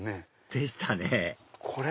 でしたね